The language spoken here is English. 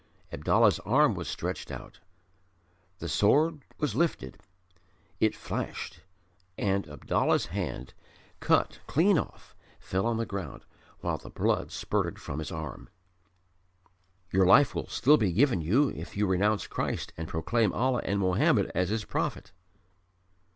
Abdallah's arm was stretched out: the sword was lifted it flashed and Abdallah's hand, cut clean off, fell on the ground, while the blood spurted from his arm. "Your life will still be given you if you renounce Christ and proclaim Allah and Mohammed as His prophet."